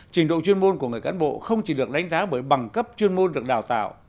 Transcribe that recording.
trình độ chuyên môn của người cán bộ không chỉ được đánh giá bởi bằng cấp chuyên môn được đào tạo